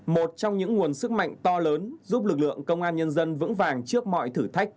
một trong những nguồn sức mạnh to lớn giúp lực lượng công an nhân dân vững vàng trước mọi thử thách